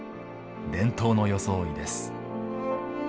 伝統の装いです。